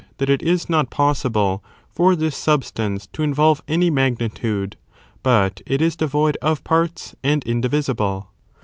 333 fl not possible foi: this substance to involve any magnitude, but it is devoid of parts and indivisible.